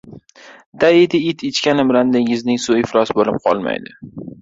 • Daydi it ichgani bilan dengizning suvi iflos bo‘lib qolmaydi.